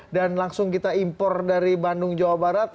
dan langsung kita impor dari bandung jawa barat